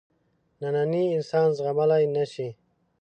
نننی انسان زغملای نه شي.